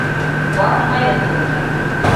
Бармайбыҙ беҙ унда.